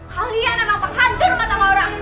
kalian emang penghancur matang orang